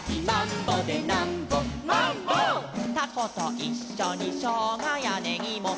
「たこといっしょにしょうがやねぎも」